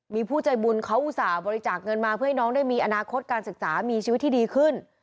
มีผู้ใจบุญเขาอุตส่าห์บริจาคเงินมาเพื่อให้น้องได้มีอนาคตการศึกษามีชีวิตที่ดีขึ้น